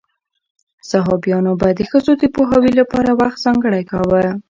صحابیانو به د ښځو د پوهاوي لپاره وخت ځانګړی کاوه.